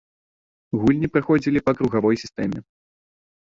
Гульні праходзілі па кругавой сістэме.